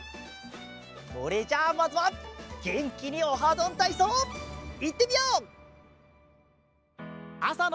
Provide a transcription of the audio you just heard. それじゃあまずはげんきに「オハどんたいそう」いってみよう！